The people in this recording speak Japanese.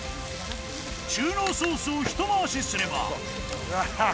中濃ソースをひと回しすればうわは